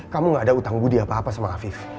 kamu enggak ada utang gudi apa apa sama afif